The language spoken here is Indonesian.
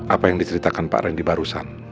apa yang diceritakan pak randy barusan